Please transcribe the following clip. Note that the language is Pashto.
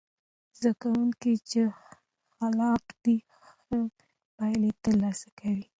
زده کوونکي چې خلاق دي، ښه پایلې ترلاسه کوي.